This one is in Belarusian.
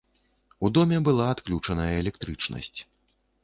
У доме была адключаная электрычнасць.